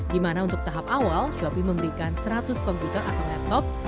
di mana untuk tahap awal shopee memberikan seratus komputer atau laptop